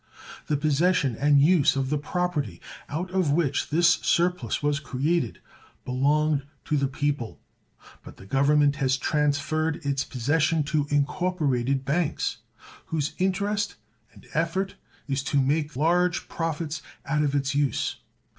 The possession and use of the property out of which this surplus was created belonged to the people, but the Government has transferred its possession to incorporated banks, whose interest and effort it is to make large profits out of its use.